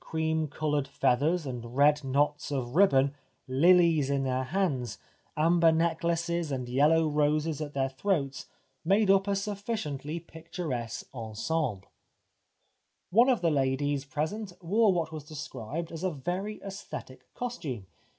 The Life of Oscar Wilde cream coloured feathers and red knots of ribbon, lilies in their hands, amber necklaces and yellow roses at their throats made up a sufficiently picturesque ensemble. One of the ladies present wore what was described as a " very aesthetic costume."